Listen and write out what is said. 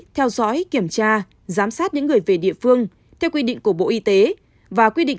theo dõi kiểm tra giám sát những người về địa phương theo quy định của bộ y tế và quy định